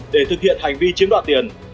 để thực hiện hành vi chiếm đoạt tiền